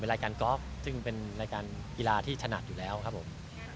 รายการกอล์ฟซึ่งเป็นรายการกีฬาที่ถนัดอยู่แล้วครับผม